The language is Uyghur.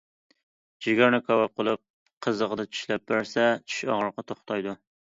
جىگەرنى كاۋاپ قىلىپ قىزىقىدا چىشلەپ بەرسە، چىش ئاغرىقى توختايدۇ.